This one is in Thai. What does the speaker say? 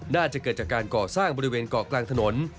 น่าจะเกิดจากการก่อสร้างบริเวณเกาะกลางถนน